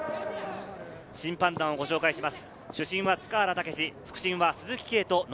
審判団をご紹介します。